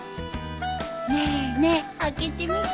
ねえねえ開けてみて。